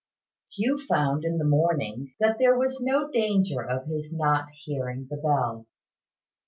Hugh found, in the morning, that there was no danger of his not hearing the bell.